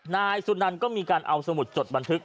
นายสุนันก็มีการเอาสมุดจดบันทึก